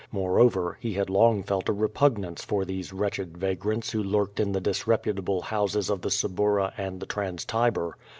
Moreover, he had long felt a repugnance for these wretched vagrants who lurked in the disreputable houses of the Suburra and the Trans Tiber.